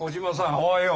おはよう。